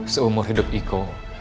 seumur hidup iko